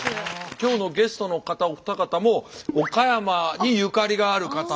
今日のゲストの方お二方も岡山にゆかりがある方々。